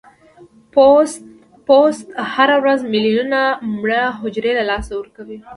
پوست هره ورځ ملیونونه مړه حجرې له لاسه ورکوي.